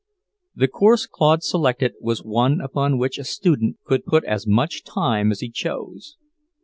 The course Claude selected was one upon which a student could put as much time as he chose.